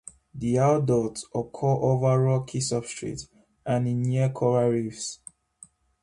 The adults occur over rocky substrates and in near coral reefs.